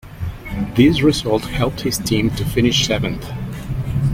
This result helped his team to finish seventh.